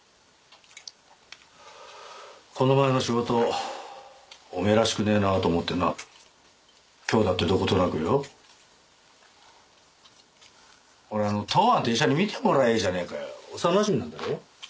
この前の仕事おめぇらしくねぇなと思ってな今日だってどことなくよほらあの東庵って医者に診てもらやいいじゃねぇかよ幼なじみなんだろ？